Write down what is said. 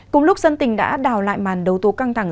cùng lúc dân tình đã đào lại màn đấu tố căng thẳng